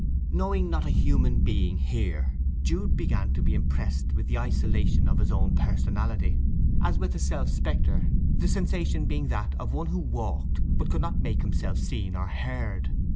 Knowing not a human being here, Jude began to be impressed with the isolation of his own personality, as with a self spectre, the sensation being that of one who walked but could not make himself seen or heard.